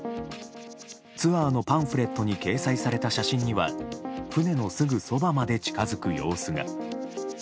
ツアーのパンフレットに掲載された写真には船のすぐそばまで近づく様子が。